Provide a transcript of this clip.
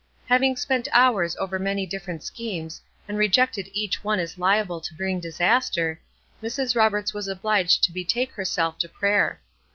Having spent hours over many different schemes, and rejected each one as liable to bring disaster, Mrs. Roberts was obliged to betake herself to prayer.